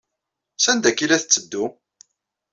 Sanda akka ay la tetteddu?